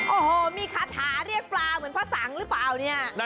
โอ้โหมีคาถาเรียกปลาเหมือนพระสังหรือเปล่าเนี่ย